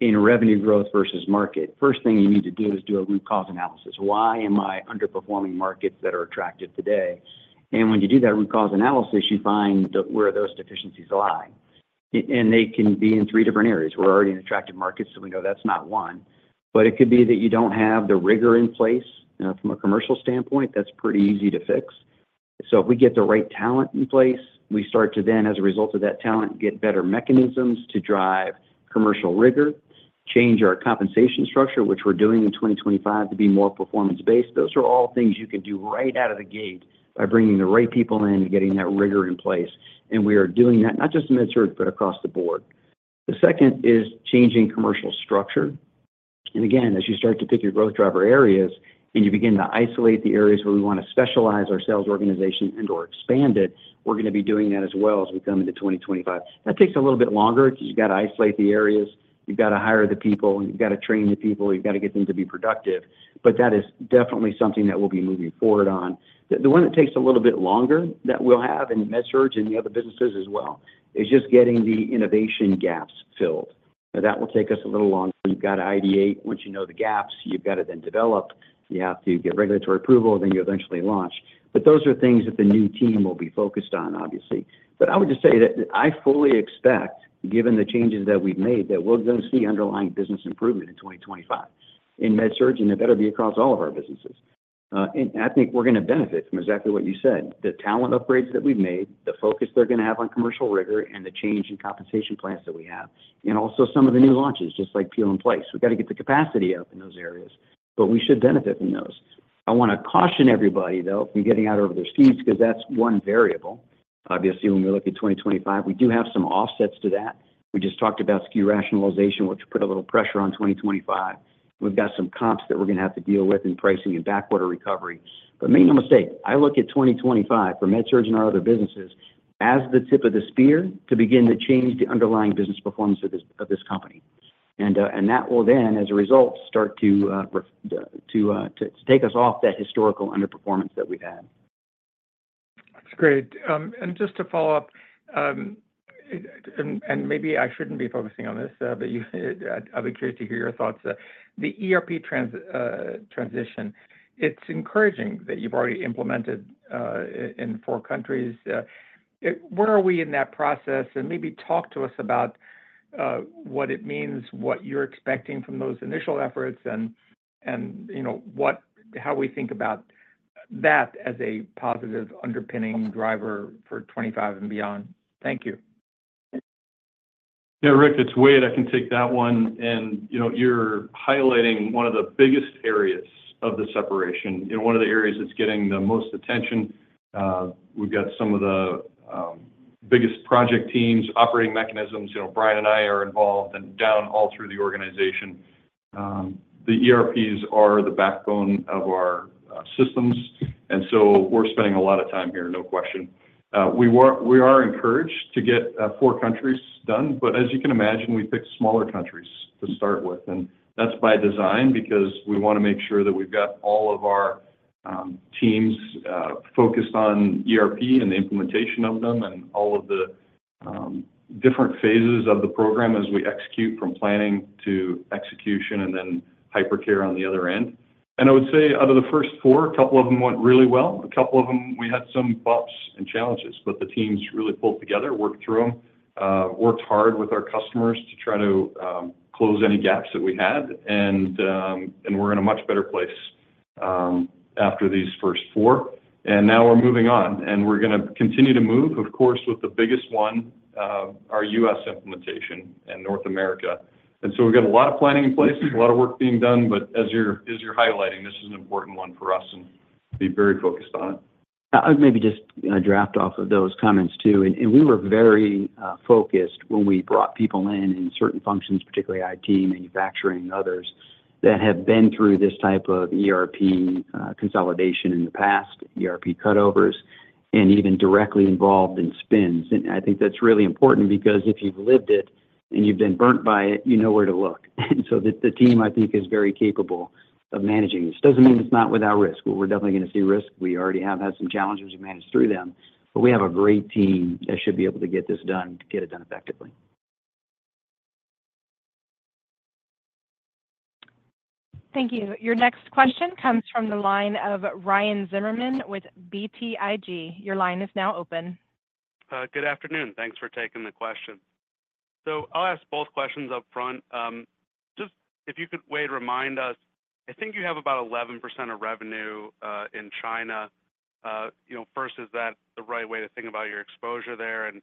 in revenue growth versus market, first thing you need to do is do a root cause analysis. Why am I underperforming markets that are attractive today? And when you do that root cause analysis, you find where those deficiencies lie. And they can be in three different areas. We're already in attractive markets, so we know that's not one. But it could be that you don't have the rigor in place from a commercial standpoint. That's pretty easy to fix. So if we get the right talent in place, we start to then, as a result of that talent, get better mechanisms to drive commercial rigor, change our compensation structure, which we're doing in 2025 to be more performance-based. Those are all things you can do right out of the gate by bringing the right people in and getting that rigor in place. And we are doing that not just in med-surg, but across the board. The second is changing commercial structure. And again, as you start to pick your growth driver areas and you begin to isolate the areas where we want to specialize our sales organization and/or expand it, we're going to be doing that as well as we come into 2025. That takes a little bit longer because you've got to isolate the areas. You've got to hire the people. You've got to train the people. You've got to get them to be productive. But that is definitely something that we'll be moving forward on. The one that takes a little bit longer that we'll have in med-surg and the other businesses as well is just getting the innovation gaps filled. That will take us a little longer. You've got to ideate. Once you know the gaps, you've got to then develop. You have to get regulatory approval, and then you eventually launch. But those are things that the new team will be focused on, obviously. But I would just say that I fully expect, given the changes that we've made, that we're going to see underlying business improvement in 2025 in med-surg, and it better be across all of our businesses. I think we're going to benefit from exactly what you said, the talent upgrades that we've made, the focus they're going to have on commercial rigor, and the change in compensation plans that we have, and also some of the new launches, just like Peel and Place. We've got to get the capacity up in those areas, but we should benefit from those. I want to caution everybody, though, from getting out over their skis because that's one variable. Obviously, when we look at 2025, we do have some offsets to that. We just talked about SKU rationalization, which put a little pressure on 2025. We've got some comps that we're going to have to deal with in pricing and backwater recovery. But make no mistake, I look at 2025 for med-surg and our other businesses as the tip of the spear to begin to change the underlying business performance of this company. And that will then, as a result, start to take us off that historical underperformance that we've had. That's great. And just to follow up, and maybe I shouldn't be focusing on this, but I'd be curious to hear your thoughts. The ERP transition, it's encouraging that you've already implemented in four countries. Where are we in that process? And maybe talk to us about what it means, what you're expecting from those initial efforts, and how we think about that as a positive underpinning driver for 2025 and beyond. Thank you. Yeah, Rick, it's Wayde. I can take that one, and you're highlighting one of the biggest areas of the separation. One of the areas that's getting the most attention. We've got some of the biggest project teams, operating mechanisms. Bryan and I are involved and down all through the organization. The ERPs are the backbone of our systems, and so we're spending a lot of time here, no question. We are encouraged to get four countries done, but as you can imagine, we picked smaller countries to start with, and that's by design because we want to make sure that we've got all of our teams focused on ERP and the implementation of them and all of the different phases of the program as we execute from planning to execution and then Hypercare on the other end. I would say out of the first four, a couple of them went really well. A couple of them, we had some bumps and challenges, but the teams really pulled together, worked through them, worked hard with our customers to try to close any gaps that we had. We're in a much better place after these first four. Now we're moving on, and we're going to continue to move, of course, with the biggest one, our U.S. implementation and North America. We've got a lot of planning in place, a lot of work being done, but as you're highlighting, this is an important one for us and be very focused on it. I would maybe just riff off of those comments, too. And we were very focused when we brought people in in certain functions, particularly IT, manufacturing, others that have been through this type of ERP consolidation in the past, ERP cutovers, and even directly involved in spins. And I think that's really important because if you've lived it and you've been burned by it, you know where to look. And so the team, I think, is very capable of managing this. Doesn't mean it's not without risk. We're definitely going to see risk. We already have had some challenges. We've managed through them. But we have a great team that should be able to get this done, get it done effectively. Thank you. Your next question comes from the line of Ryan Zimmerman with BTIG. Your line is now open. Good afternoon. Thanks for taking the question. So I'll ask both questions upfront. Just if you could, Wayde, remind us, I think you have about 11% of revenue in China. First, is that the right way to think about your exposure there? And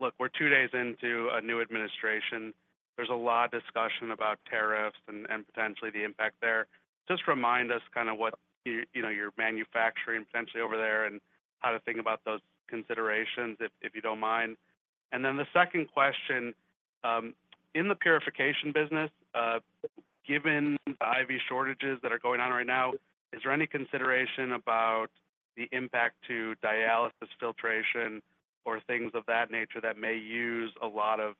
look, we're two days into a new administration. There's a lot of discussion about tariffs and potentially the impact there. Just remind us kind of what you're manufacturing potentially over there and how to think about those considerations, if you don't mind. And then the second question, in the purification business, given the IV shortages that are going on right now, is there any consideration about the impact to dialysis filtration or things of that nature that may use a lot of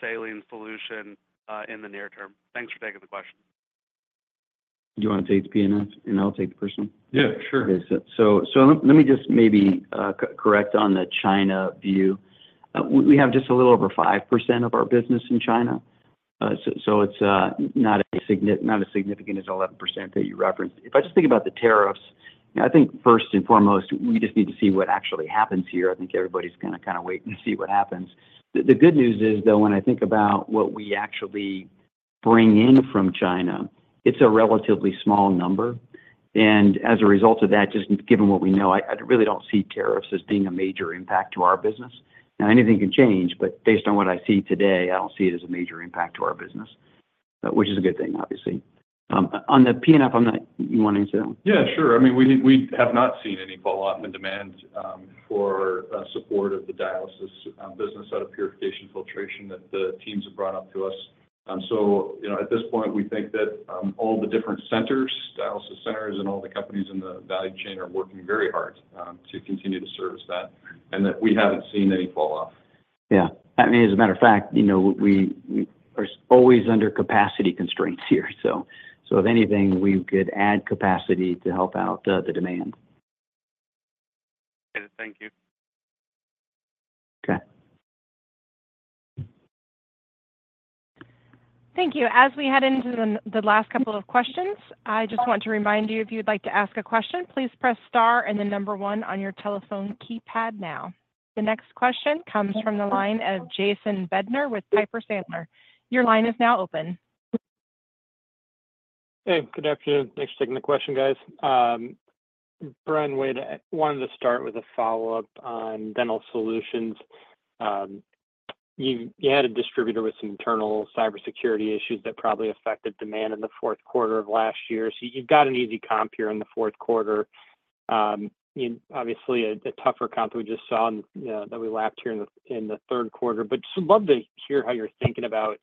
saline solution in the near term? Thanks for taking the question. Do you want to take the P&F, and I'll take the personal? Yeah, sure. Okay. So let me just maybe correct on the China view. We have just a little over 5% of our business in China. So it's not as significant as 11% that you referenced. If I just think about the tariffs, I think first and foremost, we just need to see what actually happens here. I think everybody's going to kind of wait and see what happens. The good news is, though, when I think about what we actually bring in from China, it's a relatively small number. And as a result of that, just given what we know, I really don't see tariffs as being a major impact to our business. Now, anything can change, but based on what I see today, I don't see it as a major impact to our business, which is a good thing, obviously. On the P&F, you want to answer that one? Yeah, sure. I mean, we have not seen any falloff in demand for support of the dialysis business out of Purification Filtration that the teams have brought up to us. So at this point, we think that all the different centers, dialysis centers, and all the companies in the value chain are working very hard to continue to service that, and that we haven't seen any falloff. Yeah. I mean, as a matter of fact, we are always under capacity constraints here. So if anything, we could add capacity to help out the demand. Thank you. Okay. Thank you. As we head into the last couple of questions, I just want to remind you, if you'd like to ask a question, please press star and then number one on your telephone keypad now. The next question comes from the line of Jason Bednar with Piper Sandler. Your line is now open. Hey, good afternoon. Thanks for taking the question, guys. Bryan, Wayde, I wanted to start with a follow-up on dental solutions. You had a distributor with some internal cybersecurity issues that probably affected demand in the fourth quarter of last year. So you've got an easy comp here in the fourth quarter. Obviously, a tougher comp that we just saw that we lapped here in the third quarter. But just love to hear how you're thinking about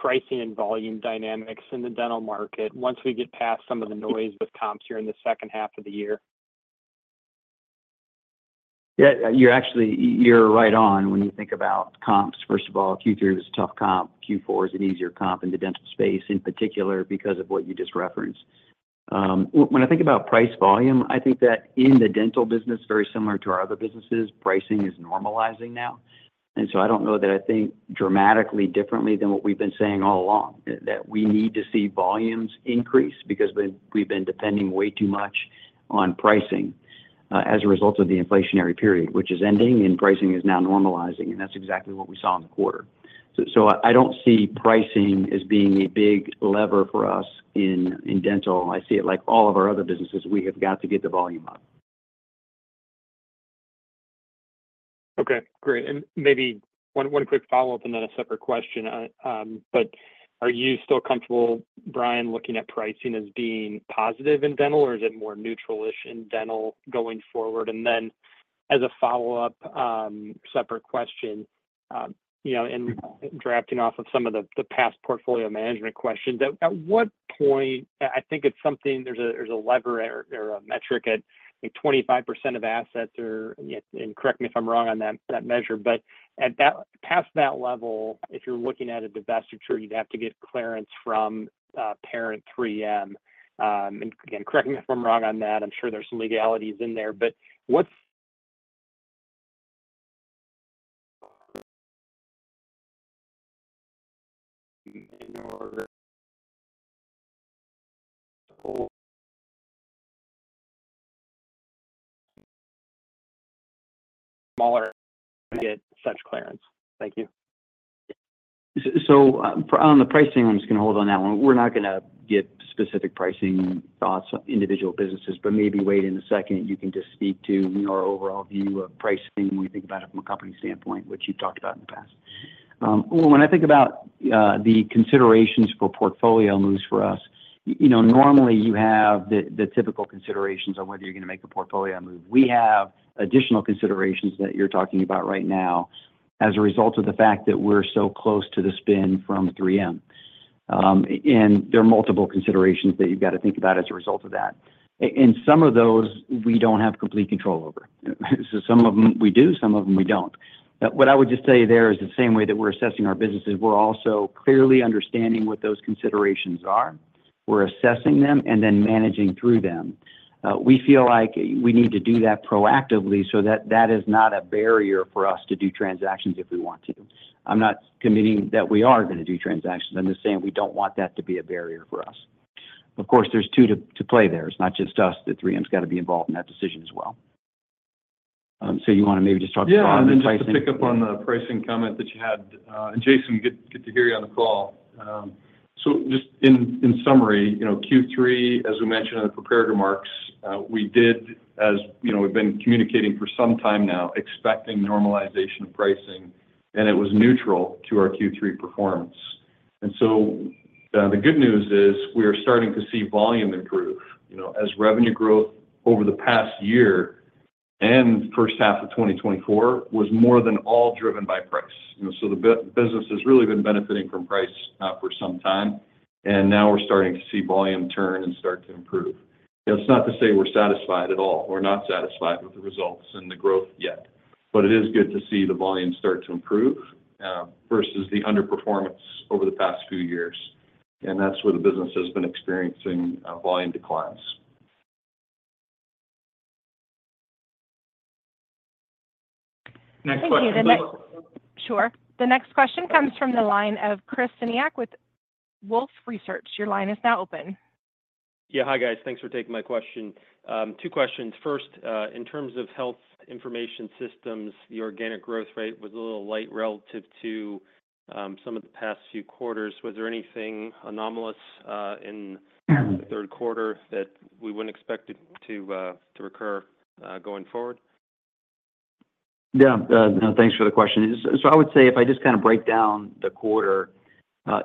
pricing and volume dynamics in the dental market once we get past some of the noise with comps here in the second half of the year. Yeah. You're right on when you think about comps. First of all, Q3 was a tough comp. Q4 is an easier comp in the dental space in particular because of what you just referenced. When I think about price volume, I think that in the dental business, very similar to our other businesses, pricing is normalizing now. And so I don't know that I think dramatically differently than what we've been saying all along, that we need to see volumes increase because we've been depending way too much on pricing as a result of the inflationary period, which is ending, and pricing is now normalizing. And that's exactly what we saw in the quarter. So I don't see pricing as being a big lever for us in dental. I see it like all of our other businesses. We have got to get the volume up. Okay. Great. And maybe one quick follow-up and then a separate question. But are you still comfortable, Bryan, looking at pricing as being positive in dental, or is it more neutral-ish in dental going forward? And then as a follow-up, separate question, and drafting off of some of the past portfolio management questions, at what point I think it's something there's a lever or a metric at 25% of assets or—and correct me if I'm wrong on that measure—but past that level, if you're looking at a divestiture, you'd have to get clearance from parent 3M. And again, correct me if I'm wrong on that. I'm sure there's some legalities in there. But what's smaller to get such clearance? Thank you. So on the pricing, I'm just going to hold on that one. We're not going to get specific pricing thoughts on individual businesses, but maybe Wayde, in a second, you can just speak to our overall view of pricing when we think about it from a company standpoint, which you've talked about in the past. When I think about the considerations for portfolio moves for us, normally you have the typical considerations on whether you're going to make a portfolio move. We have additional considerations that you're talking about right now as a result of the fact that we're so close to the spin from 3M. And there are multiple considerations that you've got to think about as a result of that. And some of those, we don't have complete control over. So some of them we do. Some of them we don't. But what I would just say there is the same way that we're assessing our businesses. We're also clearly understanding what those considerations are. We're assessing them and then managing through them. We feel like we need to do that proactively so that that is not a barrier for us to do transactions if we want to. I'm not committing that we are going to do transactions. I'm just saying we don't want that to be a barrier for us. Of course, there's two to play there. It's not just us. The 3M's got to be involved in that decision as well. So you want to maybe just talk about pricing? Yeah, and then just to pick up on the pricing comment that you had, Jason. Good to hear you on the call, so just in summary, Q3, as we mentioned in the prepared remarks, we did, as we've been communicating for some time now, expecting normalization of pricing, and it was neutral to our Q3 performance, and so the good news is we are starting to see volume improve as revenue growth over the past year and first half of 2024 was more than all driven by price, so the business has really been benefiting from price for some time, and now we're starting to see volume turn and start to improve. That's not to say we're satisfied at all. We're not satisfied with the results and the growth yet, but it is good to see the volume start to improve versus the underperformance over the past few years. That's where the business has been experiencing volume declines. Thank you. Sure. The next question comes from the line of Chris Senyek with Wolfe Research. Your line is now open. Yeah. Hi, guys. Thanks for taking my question. Two questions. First, in terms of health information systems, the organic growth rate was a little light relative to some of the past few quarters. Was there anything anomalous in the third quarter that we wouldn't expect to recur going forward? Yeah. Thanks for the question. So I would say if I just kind of break down the quarter,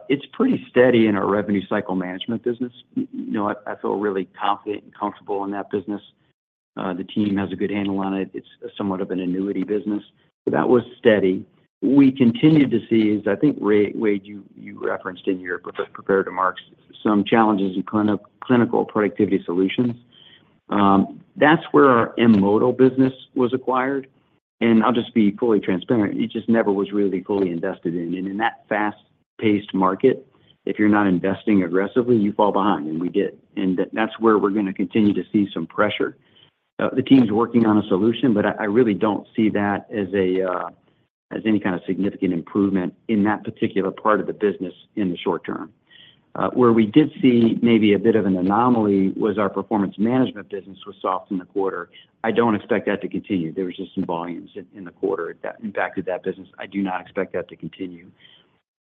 it's pretty steady in our revenue cycle management business. I feel really confident and comfortable in that business. The team has a good handle on it. It's somewhat of an annuity business. That was steady. We continued to see, as I think, Wayde, you referenced in your prepared remarks, some challenges in clinician productivity solutions. That's where our M*Modal business was acquired. And I'll just be fully transparent. It just never was really fully invested in. And in that fast-paced market, if you're not investing aggressively, you fall behind. And we did. And that's where we're going to continue to see some pressure. The team's working on a solution, but I really don't see that as any kind of significant improvement in that particular part of the business in the short term. Where we did see maybe a bit of an anomaly was our performance management business was soft in the quarter. I don't expect that to continue. There was just some volumes in the quarter that impacted that business. I do not expect that to continue.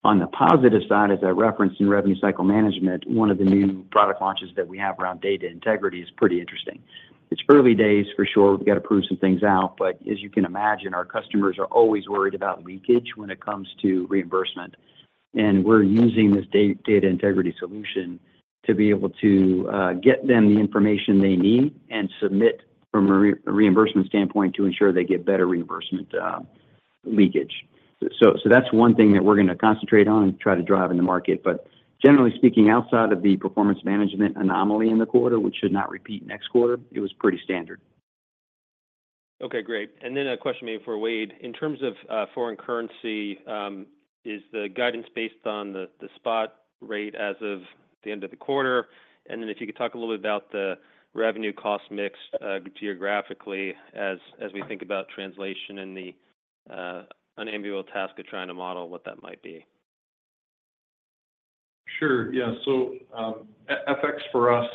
On the positive side, as I referenced in revenue cycle management, one of the new product launches that we have around data integrity is pretty interesting. It's early days, for sure. We've got to prove some things out. But as you can imagine, our customers are always worried about leakage when it comes to reimbursement. And we're using this data integrity solution to be able to get them the information they need and submit from a reimbursement standpoint to ensure they get better reimbursement leakage. So that's one thing that we're going to concentrate on and try to drive in the market. But generally speaking, outside of the performance management anomaly in the quarter, which should not repeat next quarter, it was pretty standard. Okay. Great. And then a question maybe for Wayde. In terms of foreign currency, is the guidance based on the spot rate as of the end of the quarter? And then if you could talk a little bit about the revenue-cost mix geographically as we think about translation and the unenviable task of trying to model what that might be. Sure. Yeah. So, FX for us,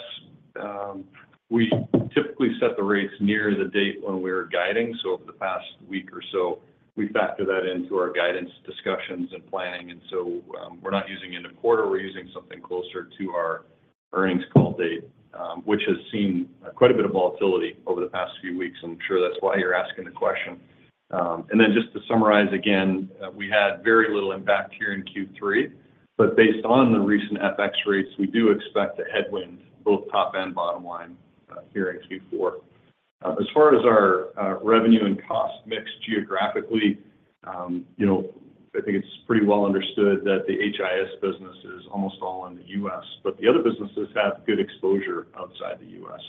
we typically set the rates near the date when we were guiding, so over the past week or so, we factor that into our guidance discussions and planning, and so we're not using end of quarter. We're using something closer to our earnings call date, which has seen quite a bit of volatility over the past few weeks. I'm sure that's why you're asking the question, and then just to summarize again, we had very little impact here in Q3, but based on the recent FX rates, we do expect a headwind, both top and bottom line, here in Q4. As far as our revenue and cost mix geographically, I think it's pretty well understood that the HIS business is almost all in the U.S., but the other businesses have good exposure outside the U.S.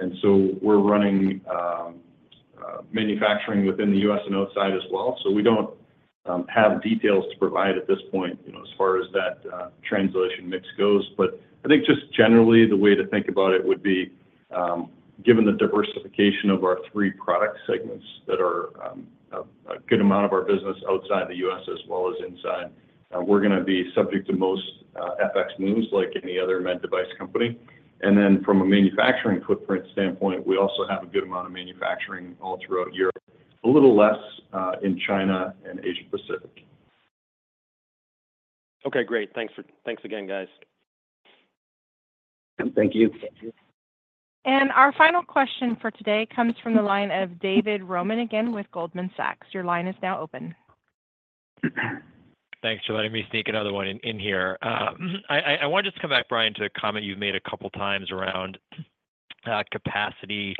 And so we're running manufacturing within the U.S. and outside as well. So we don't have details to provide at this point as far as that translation mix goes. But I think just generally, the way to think about it would be, given the diversification of our three product segments that are a good amount of our business outside the U.S. as well as inside, we're going to be subject to most FX moves like any other med device company. And then from a manufacturing footprint standpoint, we also have a good amount of manufacturing all throughout Europe, a little less in China and Asia-Pacific. Okay. Great. Thanks again, guys. Thank you. And our final question for today comes from the line of David Roman again with Goldman Sachs. Your line is now open. Thanks for letting me sneak another one in here. I wanted to just come back, Bryan, to a comment you've made a couple of times around capacity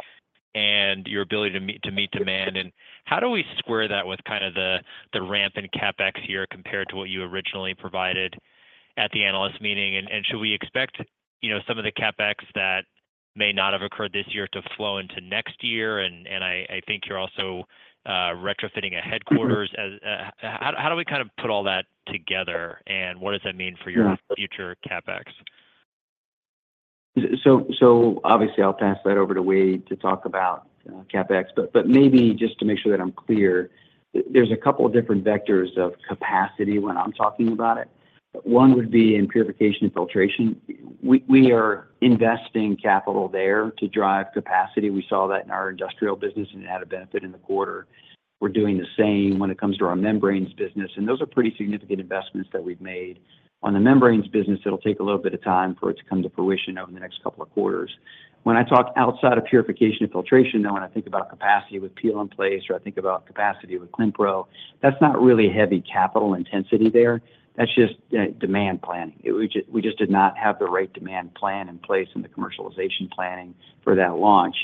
and your ability to meet demand. And how do we square that with kind of the ramp in CapEx here compared to what you originally provided at the analyst meeting? And should we expect some of the CapEx that may not have occurred this year to flow into next year? And I think you're also retrofitting a headquarters. How do we kind of put all that together, and what does that mean for your future CapEx? So obviously, I'll pass that over to Wayde to talk about CapEx. But maybe just to make sure that I'm clear, there's a couple of different vectors of capacity when I'm talking about it. One would be in purification and filtration. We are investing capital there to drive capacity. We saw that in our industrial business, and it had a benefit in the quarter. We're doing the same when it comes to our membranes business. And those are pretty significant investments that we've made. On the membranes business, it'll take a little bit of time for it to come to fruition over the next couple of quarters. When I talk outside of purification and filtration, though, when I think about capacity with Peel and Place or I think about capacity with Clinpro, that's not really heavy capital intensity there. That's just demand planning. We just did not have the right demand plan in place in the commercialization planning for that launch.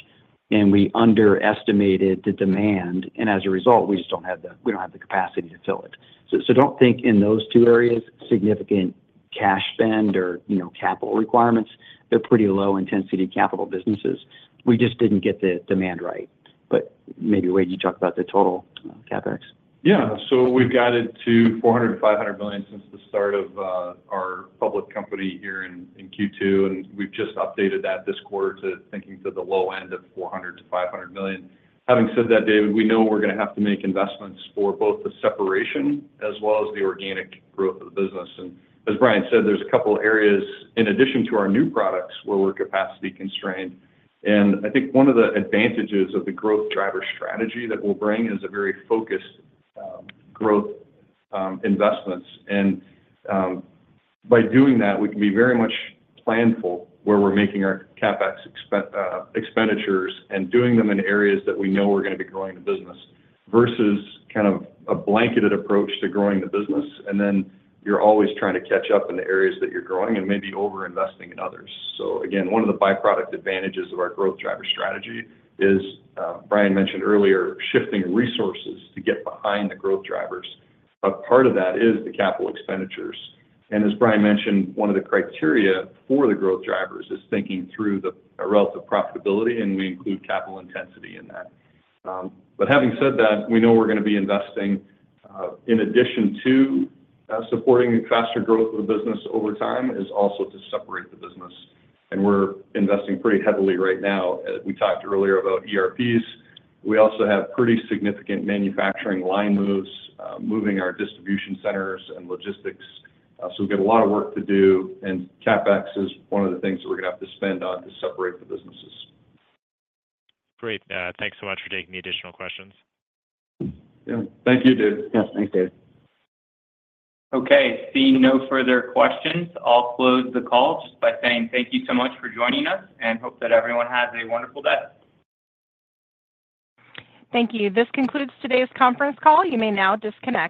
And we underestimated the demand. And as a result, we just don't have the capacity to fill it. So don't think in those two areas, significant cash spend or capital requirements. They're pretty low-intensity capital businesses. We just didn't get the demand right. But maybe, Wayde, you talk about the total CapEx. Yeah. So we've got it to $400 million-$500 million since the start of our public company here in Q2. And we've just updated that this quarter to thinking to the low end of $400 million-$500 million. Having said that, David, we know we're going to have to make investments for both the separation as well as the organic growth of the business. And as Bryan said, there's a couple of areas in addition to our new products where we're capacity constrained. And I think one of the advantages of the growth driver strategy that we'll bring is a very focused growth investments. And by doing that, we can be very much planful where we're making our CapEx expenditures and doing them in areas that we know we're going to be growing the business versus kind of a blanketed approach to growing the business. And then you're always trying to catch up in the areas that you're growing and maybe over-investing in others. So again, one of the byproduct advantages of our growth driver strategy is, Bryan mentioned earlier, shifting resources to get behind the growth drivers. But part of that is the capital expenditures. And as Bryan mentioned, one of the criteria for the growth drivers is thinking through the relative profitability, and we include capital intensity in that. But having said that, we know we're going to be investing in addition to supporting faster growth of the business over time is also to separate the business. And we're investing pretty heavily right now. We talked earlier about ERPs. We also have pretty significant manufacturing line moves, moving our distribution centers and logistics. So we've got a lot of work to do. CapEx is one of the things that we're going to have to spend on to separate the businesses. Great. Thanks so much for taking the additional questions. Yeah. Thank you, David. Yes. Thanks, David. Okay. Seeing no further questions, I'll close the call just by saying thank you so much for joining us and hope that everyone has a wonderful day. Thank you. This concludes today's conference call. You may now disconnect.